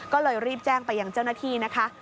ก็เลยรีบแจ้งไปยังเจ้าหน้าที่นะคะ